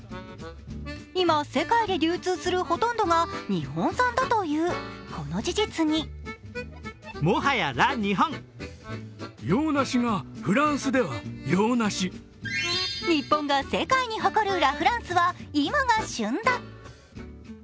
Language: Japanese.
今、世界で流通するほとんどが日本産だという、この事実に日本が世界に誇るラ・フランスは今が旬だ。